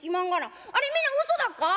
あれみんなうそだっか？」。